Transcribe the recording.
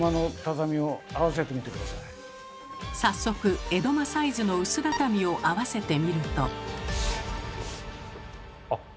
早速江戸間サイズの薄畳を合わせてみると。